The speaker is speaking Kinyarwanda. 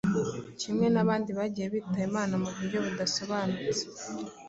kimwe n’abandi bagiye bitaba Imana mu buryo budasobanutse